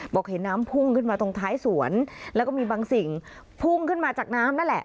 เห็นน้ำพุ่งขึ้นมาตรงท้ายสวนแล้วก็มีบางสิ่งพุ่งขึ้นมาจากน้ำนั่นแหละ